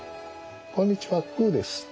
「こんにちはくうです」。